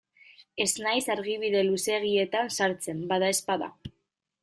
Ez naiz argibide luzeegietan sartzen, badaezpada.